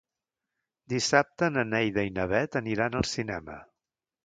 Dissabte na Neida i na Bet aniran al cinema.